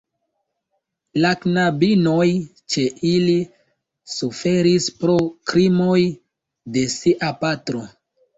La knabinoj ĉe ili suferis pro krimoj de sia patro.